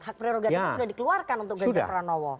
hak prerogatif sudah dikeluarkan untuk ganjar prabowo